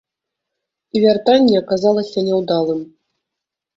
І вяртанне аказалася няўдалым.